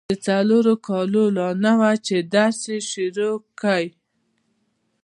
د څلورو کالو لا نه وه چي درس يې شروع کی.